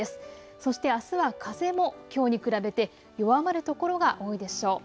そしてあすは風もきょうに比べて弱まる所が多いでしょう。